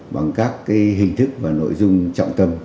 bằng các hình thức và nội dung trọng tâm